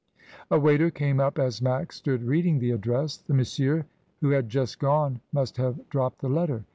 13* 196 MRS. DYMOND. A waiter came up as Max stood reading the address. "The monsieur who had. just gone must have, dropped the letter.